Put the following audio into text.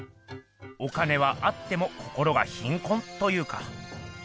お金はあっても心が貧困というか。